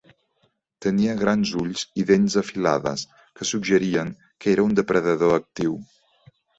Tenia grans ulls i dents afilades que suggerien que era un depredador actiu.